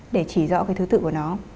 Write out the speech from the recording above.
để chỉ rõ cái thứ tự của nó